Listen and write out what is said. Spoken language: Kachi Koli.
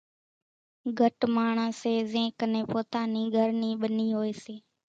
گھٽ ماڻۿان سي زين ڪنين پوتا نِي گھر نِي ٻنِي هوئيَ سي۔